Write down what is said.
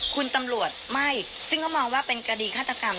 คุณตำรวจไม่ซึ่งก็มองว่าเป็นคดีฆาตกรรม